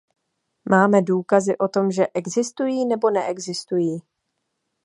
Máme důkazy o tom, že existují nebo neexistují?